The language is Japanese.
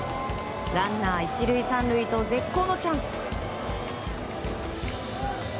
ランナー１塁３塁と絶好のチャンス。